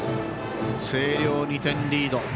星稜、２点リード。